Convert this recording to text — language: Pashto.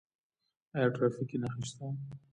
آیا ټرافیکي نښې شته؟